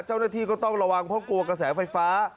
เจ้าหน้าที่ก็ต้องระวังเพราะกลัวกระแสไฟฟ้า